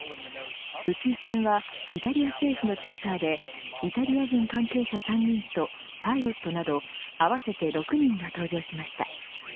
宇宙船はイタリア政府のチャーターでイタリア軍関係者３人とパイロットなど合わせて６人が搭乗しました。